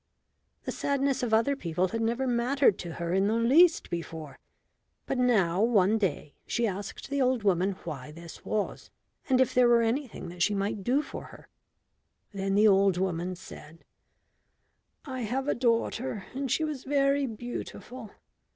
The sadness of other people had never mattered to her in the least before; but now one day she asked the old woman why this was, and if there were anything that she might do for her. Then the old woman said: "I have a daughter and she was very beautiful.